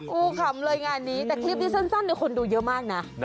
คุกล้วคำเลยงานนี้แต่คลิปสั้นคนดูเยอะมากน่ะ